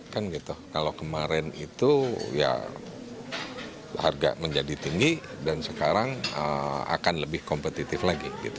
kalau kemarin itu harga menjadi tinggi dan sekarang akan lebih kompetitif lagi